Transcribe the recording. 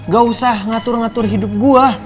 gak usah ngatur ngatur hidup gue